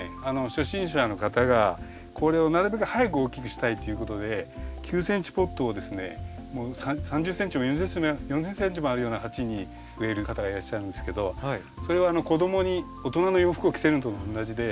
初心者の方がこれをなるべく早く大きくしたいっていうことで９ｃｍポットをですね３０ｃｍも４０ｃｍもあるような鉢に植える方がいらっしゃるんですけどそれは子供に大人の洋服を着せるのと同じで。